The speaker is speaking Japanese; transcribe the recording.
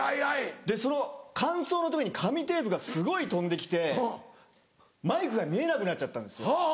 その間奏の時に紙テープがすごい飛んできてマイクが見えなくなっちゃったんですよ。